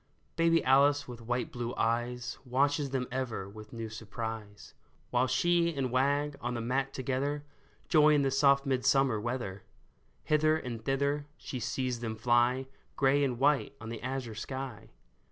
Baby Alice with wide blue eyes Watches them ever with new surprise, While she and Wag on the mat together Joy in the soft midsummer weather. Hither and thither she sees them fly, Gray and white on the azure sky.